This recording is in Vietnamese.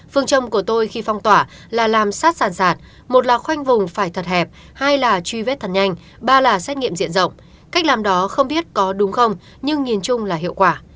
phương châm của tôi khi phong tỏa là làm sát sản một là khoanh vùng phải thật hẹp hai là truy vết thật nhanh ba là xét nghiệm diện rộng cách làm đó không biết có đúng không nhưng nhìn chung là hiệu quả